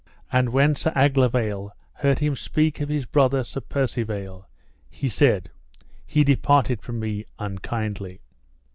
And when Sir Aglovale heard him speak of his brother Sir Percivale, he said: He departed from me unkindly.